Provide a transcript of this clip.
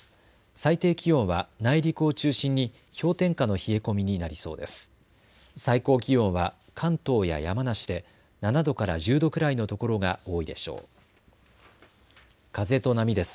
最低気温は内陸を中心に氷点下の冷え込みになりそうです。